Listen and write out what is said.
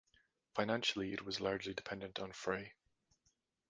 Financially, it was largely dependent on Frey.